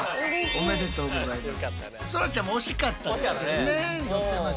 おめでとうございます。